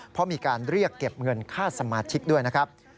เพราะมีการเรียกเก็บเงินค่าสมาชิกด้วยนะครับ